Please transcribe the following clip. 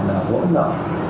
là vỗ nợ